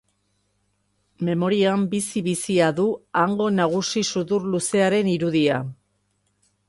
Memorian bizi-bizia du hango nagusi sudur-luzearen irudia.